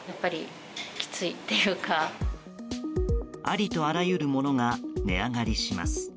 ありとあらゆるものが値上がりします。